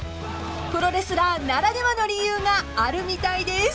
［プロレスラーならではの理由があるみたいです］